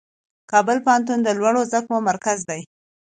کابل پوهنتون د لوړو زده کړو مرکز دی.